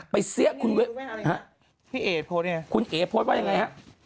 ไปเสี้ยคุณเวฟคุณเอ๋โพสว่ายังไงครับ